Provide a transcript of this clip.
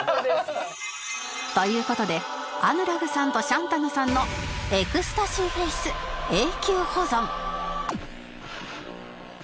という事でアヌラグさんとシャンタヌさんのエクスタシーフェイス永久保存